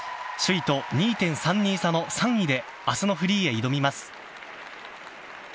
首位と２．３２差の３位であすのフリーへ挑みます。